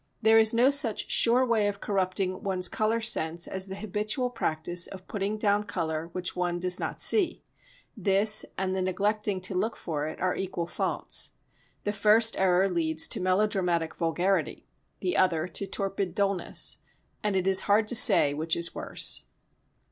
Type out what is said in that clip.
There is no such sure way of corrupting one's colour sense as the habitual practice of putting down colour which one does not see; this and the neglecting to look for it are equal faults. The first error leads to melodramatic vulgarity, the other to torpid dullness, and it is hard to say which is worse.